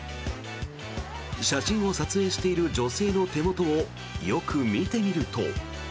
写真を撮影している女性の手元をよく見てみると。